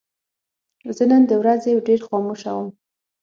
زه نن د ورځې ډېر خاموشه وم.